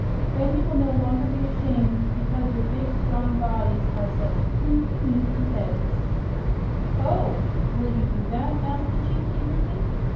Then you will no longer be ashamed because your big strong bodies have such teenty weenty heads." "Oh! Will you do that?" asked the Chief, eagerly.